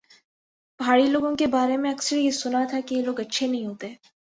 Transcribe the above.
پہاڑی لوگوں کے بارے میں اکثر سنا تھا کہ یہ لوگ اچھے نہیں ہوتے